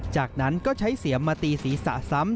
จากนั้นก็ใช้เสียมมาตีศีรษะซ้ำ